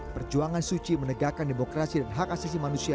perjuangan suu kyi menegakkan demokrasi dan hak asasi manusia